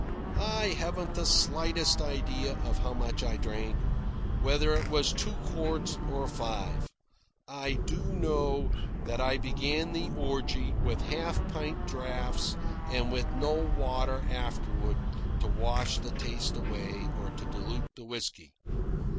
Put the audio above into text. I haven't the slightest idea of how much I drank whether it was two quarts or five. I do know that I began the orgy with half pint draughts and with no water afterward to wash the taste away or to dilute the whisky.